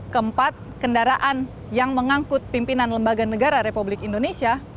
keempat kendaraan yang mengangkut pimpinan lembaga negara republik indonesia